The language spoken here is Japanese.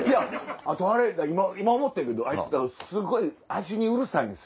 あと今思ってんけどあいつすごい味にうるさいんですよ。